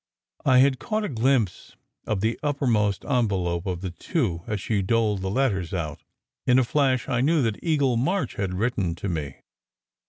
I had caught a glimpse of the uppermost en velope of the two as she doled the letters out. In a flash I knew that Eagle March had written to me.